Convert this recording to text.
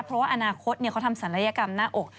เพราะว่าอนาคตเขาทำศัลยกรรมหน้าอก